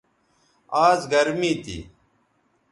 آز گرمی تھی